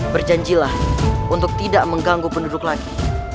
berjanjilah untuk tidak mengganggu penduduk lagi